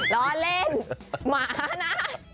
ล้อเล่นหมานะ